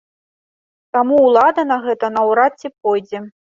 Таму ўлада на гэта наўрад ці пойдзе.